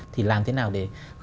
thì làm thế nào để